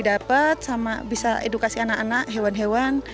dapat sama bisa edukasi anak anak hewan hewan